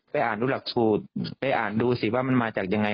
อ่านดูหลักสูตรไปอ่านดูสิว่ามันมาจากยังไง